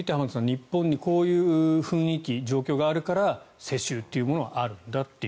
日本にこういう雰囲気状況があるから世襲というものはあるんだと。